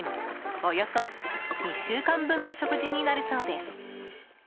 およそ２週間分の食事になるそうです。